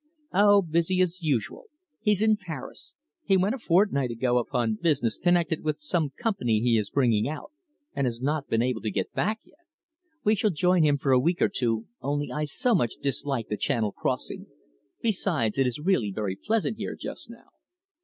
"Oh, busy as usual. He's in Paris. He went a fortnight ago upon business connected with some company he is bringing out, and has not been able to get back yet. We shall join him for a week or two, only I so much dislike the Channel crossing. Besides, it is really very pleasant here just now."